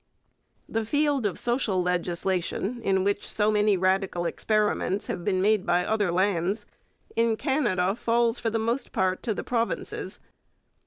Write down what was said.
The field of social legislation, in which so many radical experiments have been made by other lands, in Canada falls for the most part to the provinces.